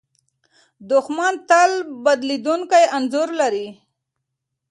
دښمن تل بدلېدونکی انځور لري.